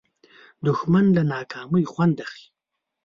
دښمن له ناکامۍ خوند اخلي